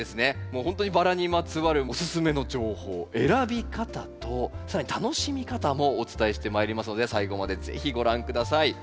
もうほんとにバラにまつわるおすすめの情報選び方と更に楽しみ方もお伝えしてまいりますので最後まで是非ご覧下さい。